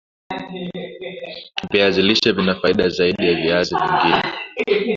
viazi lishe vina faida zaidi ya viazi vingine